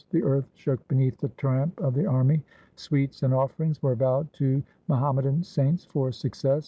The earth shook beneath the tramp of the army. Sweets and offerings were vowed to Muhammadan saints for success.